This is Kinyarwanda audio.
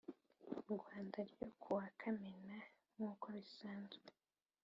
Rwanda ryo ku wa Kamena nk uko bisanzwe